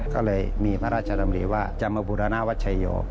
ก็เลยพระราชดำริวะจะมาบุรณาวัชยโยก